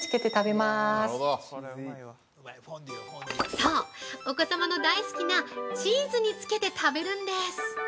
◆そう、お子様の大好きなチーズにつけて食べるんです。